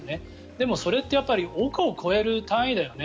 でもそれってやっぱり億を超える単位だよね。